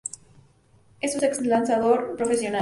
Es un ex-lanzador profesional.